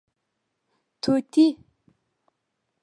🦜 طوطي